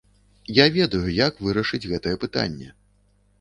Я ведаю як вырашыць гэтае пытанне!